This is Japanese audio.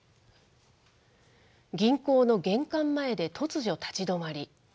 銀行の玄関前で突如立ち止まり。